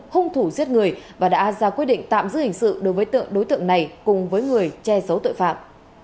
hung thủ giết người và đã ra quyết định tạm giữ hình sự đối với tượng đối tượng này cùng với người che giấu tội phạm